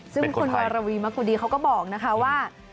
ซึ่งคุณวารวีมะโกดีเขาก็บอกนะคะว่า